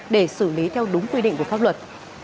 để xử lý theo đúng quy định của pháp luật